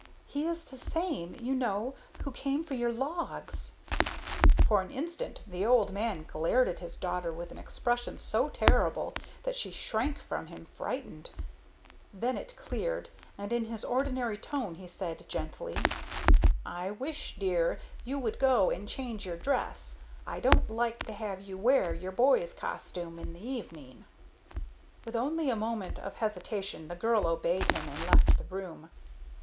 He is the same, you know, who came for your logs." For an instant the old man glared at his daughter with an expression so terrible that she shrank from him frightened. Then it cleared, and in his ordinary tone he said, gently: "I wish, dear, you would go and change your dress. I don't like to have you wear this boy's costume in the evening." With only a moment of hesitation the girl obeyed him and left the room.